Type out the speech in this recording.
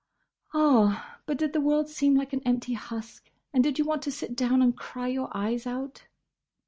"Ah! but did the world seem like an empty husk? and did you want to sit down and cry your eyes out?"